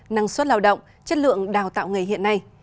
năng suất lao động chất lượng đào tạo nghề hiện nay